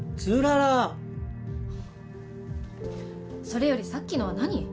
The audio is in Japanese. それよりさっきのは何？